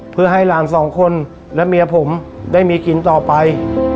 เพื่อให้หลานสองคนและเมียผมได้มีกินต่อไป